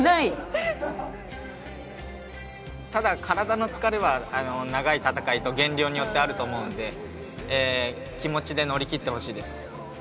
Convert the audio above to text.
ただ体の疲れは長い戦いと減量によってあると思うんで、気持ちで乗り切ってほしいです。